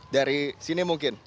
dari sini mungkin